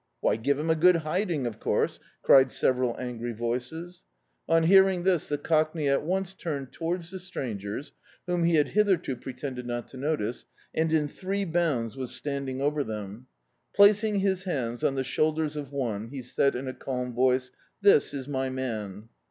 "Why, give him a good hiding, of course," cried several angry voices. On hearing this the Cockney at trfice tumed towards the strangers — whom he had hitherto pretended not to notice — and in three bounds was standing over them. Plac ing his hands on the shoulders of cnie he said in a calm voice, "This is my man."